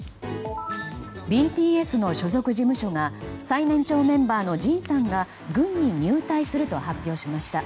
ＢＴＳの所属事務所が最年長メンバーのＪＩＮさんが軍に入隊すると発表しました。